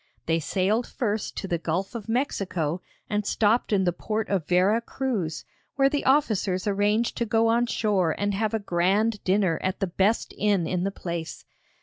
They sailed first to the Gulf of Mexico and stopped in the port of Vera Cruz, where the officers arranged to go on shore and have a grand dinner at the best inn in the place.